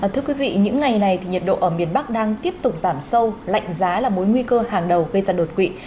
thưa quý vị những ngày này thì nhiệt độ ở miền bắc đang tiếp tục giảm sâu lạnh giá là mối nguy cơ hàng đầu gây tật đột quỵ